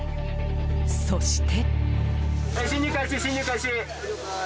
そして。